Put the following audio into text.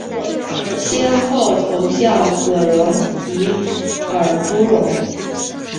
先后投效葛荣及尔朱荣。